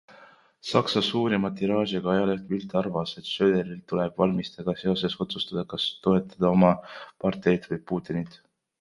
Saksa suurima tiraažiga ajaleht Bild arvas, et Schröderil tuleb valimistega seoses otsustada, kas toetada oma parteid või Putinit.